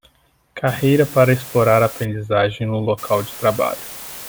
Carreira para explorar a aprendizagem no local de trabalho